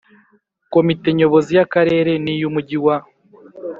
Komite Nyobozi y Akarere n iy Umujyi wa